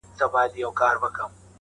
لاس مو تل د خپل ګرېوان په وینو سور دی.!